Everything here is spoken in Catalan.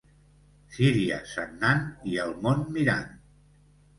Síria sagnant i el món mirant.